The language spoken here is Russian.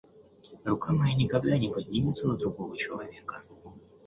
Рука моя никогда не поднимется на другого человека.